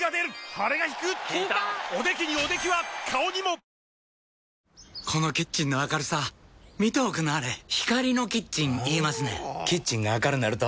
大豆麺キッコーマンこのキッチンの明るさ見ておくんなはれ光のキッチン言いますねんほぉキッチンが明るなると・・・